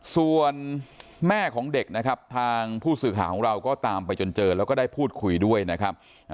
ส่วนแม่ของเด็กนะครับทางผู้สื่อข่าวของเราก็ตามไปจนเจอแล้วก็ได้พูดคุยด้วยนะครับ